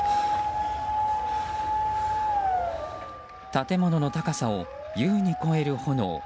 建物の高さを、優に超える炎。